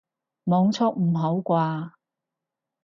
網速唔好啩